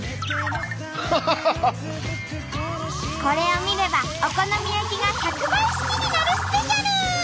これを見ればお好み焼きが１００倍好きになるスぺシャル！